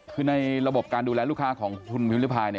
คือในระบบการดูแลลูกค้าของคุณพิมริพาย